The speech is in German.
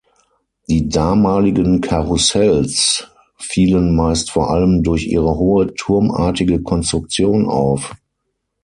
Die damaligen Karussells fielen meist vor allem durch ihre hohe turmartige Konstruktion auf.